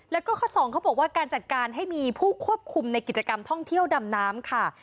แล้วก็ข้อ๒เขาบอกว่าการจัดการให้มีผู้ควบคุมในกิจกรรมท่องเที่ยวดำน้ำค่ะ